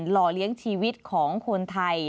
ห่อเลี้ยงชีวิตของคนไทย